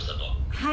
はい。